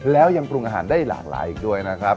แล้วยังปรุงอาหารได้หลากหลายอีกด้วยนะครับ